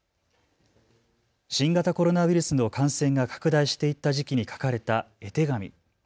新型コロナウイルスの感染が拡大していた時期に描かれた絵手紙。